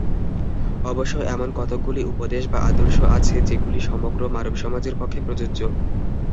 অবশ্য এমন কতকগুলি উপদেশ বা আদর্শ আছে, যেগুলি সমগ্র মানবসমাজের পক্ষে প্রযোজ্য।